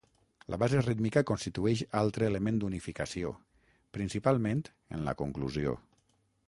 La base rítmica constitueix altre element d'unificació, principalment en la conclusió.